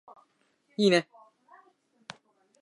いいね